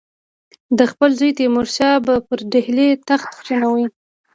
ده خپل زوی تیمورشاه به پر ډهلي تخت کښېنوي.